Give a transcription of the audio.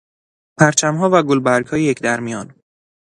پرچمها و گلبرگهای یک در میان